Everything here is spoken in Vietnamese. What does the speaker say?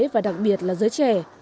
và đặc biệt là giới trẻ